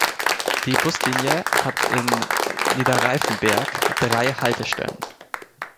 Die Buslinie hat in Niederreifenberg drei Haltestellen.